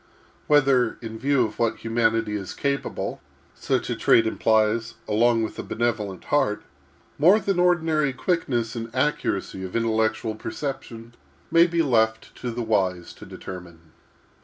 Whether, in view of what humanity is capable, such a trait implies, along with a benevolent heart, more than ordinary quickness and accuracy of intellectual perception, may be left to the wise to determine.